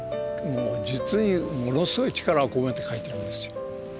もう実にものすごい力を込めて書いてるんですよ。